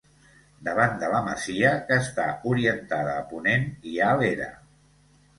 Davant de la masia, que està orientada a ponent, hi ha l'era.